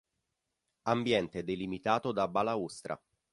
Ambiente delimitato da balaustra.